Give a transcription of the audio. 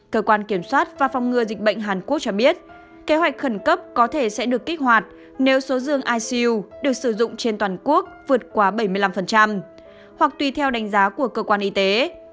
cơ quan kiểm soát và phòng ngừa dịch bệnh hàn quốc cho biết kế hoạch khẩn cấp có thể sẽ được kích hoạt nếu số dương icu được sử dụng trên toàn quốc vượt qua bảy mươi năm hoặc tùy theo đánh giá của cơ quan y tế